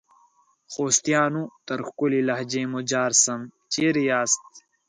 خوستیانو ! تر ښکلي لهجې مو جار سم ، چیري یاست؟